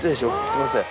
すいません。